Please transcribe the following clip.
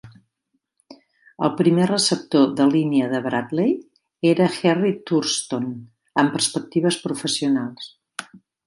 El primer receptor de línia de Brantley era Jerry Thurston, amb perspectives professionals.